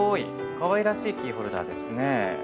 かわいらしいキーホルダーですね。